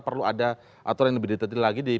perlu ada aturan yang lebih detail lagi